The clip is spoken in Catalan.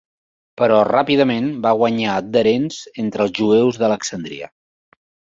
Però ràpidament va guanyar adherents entre els jueus d'Alexandria.